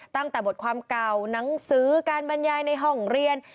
ตั้งแต่บทความเก่าหนังสือการบรรยายในห้องเรียน